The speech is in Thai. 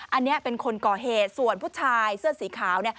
อันนี้เป็นคนก่อเหตุส่วนผู้ชายเสื้อสีขาวเนี่ย